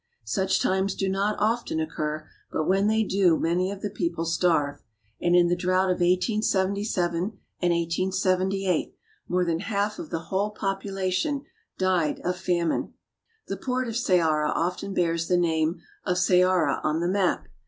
Such times do not often occur, but when they do many of the people starve, and in the drought of 1877 and 1878 more than half of the whole population died of famine. The port of Ceara often bears the name of Ceara on the map.